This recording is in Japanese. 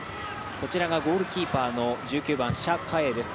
こちらがゴールキーパーの１９番、シャ・カエイです。